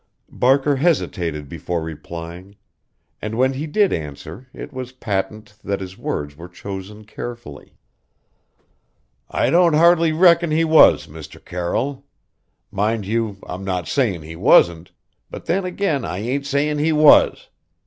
Barker hesitated before replying, and when he did answer it was patent that his words were chosen carefully. "I don't hardly reckon he was, Mr. Carroll. Mind you, I'm not sayin' he wasn't; but then again I ain't sayin' he was.